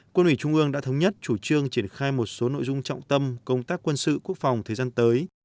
quân ủy trung ương đã thống nhất chủ trương triển khai một số nội dung trọng tâm công tác quân sự quốc phòng thời gian tới